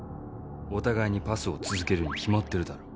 お互いにパスを続けるに決まってるだろ。